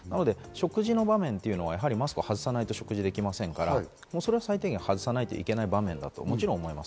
なので食事の場面というのはマスクを外さないと食事できませんから、最低限、外さなきゃいけない場面だと、もちろん思います。